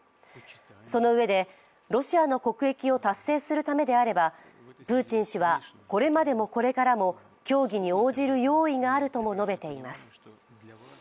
そのうえで、ロシアの国益を達成するためであればプーチン氏はこれまでもこれからも協議に応じる用意があるとも述べています。